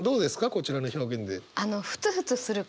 こちらの表現で。